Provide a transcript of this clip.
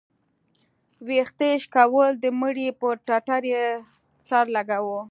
ويښته يې شكول د مړي پر ټټر يې سر لګاوه.